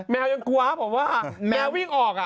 แมวยังกลัวผมว่าแมววิ่งออก